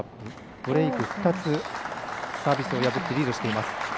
ブレーク２つサービスを破ってリードしています。